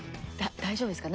大丈夫ですか？